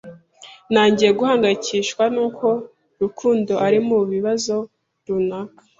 Ntangiye guhangayikishwa nuko Rukundo ari mubibazo runaka.